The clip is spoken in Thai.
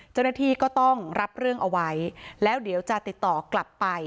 เจ้าหน้าที่ก็ต้องรับเรื่องเอาไว้แล้วเดี๋ยวจะติดต่อกลับไป